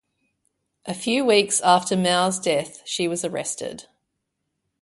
A few weeks after Mao's death she was arrested.